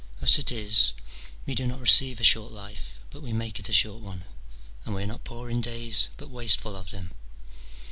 Thus it is : we do not receive a short life, but we make it a short one, and we are not poor in days, but wasteful of them.